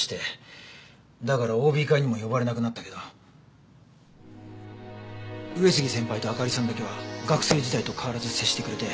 だからＯＢ会にも呼ばれなくなったけど上杉先輩と明里さんだけは学生時代と変わらず接してくれて。